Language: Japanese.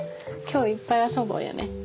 今日いっぱい遊ぼうやね。